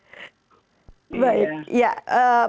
apakah itu akan menjadi momentum begitu mbak yeni